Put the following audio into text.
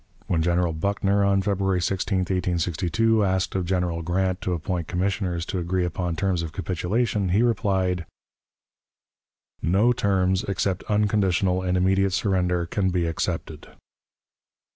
When General Buckner, on February 16, 1862, asked of General Grant to appoint commissioners to agree upon terms of capitulation, he replied: "No terms, except unconditional and immediate surrender, can be accepted."